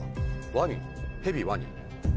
ワニヘビワニ。